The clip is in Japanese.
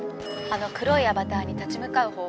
「あの黒いアバターに立ちむかう